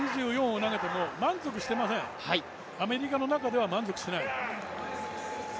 ２２ｍ２４を投げても満足してません、アメリカの中では満足してない。